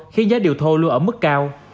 khiến giá điều thô luôn ở mức cao